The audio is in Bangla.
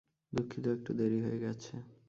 দুঃখিত, একটু দেরী হয়ে গেছে।